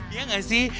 iya gak sih